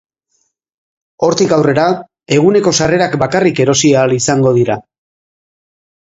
Hortik aurrera eguneko sarrerak bakarrik erosi ahal izango dira.